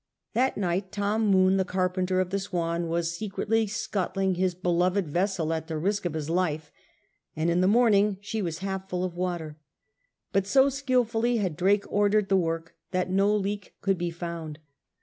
That night Tom Moone, the carpenter of the SwarC^ was secretly scuttling his beloved vessel at the risk of his life, and in the morning she was half full of water ; but so skilfully had Drake ordered the work that no leak could be found.